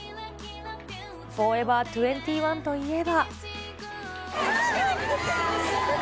フォーエバー２１といえば。